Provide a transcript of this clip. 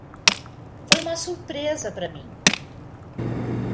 Foi uma surpresa para mim.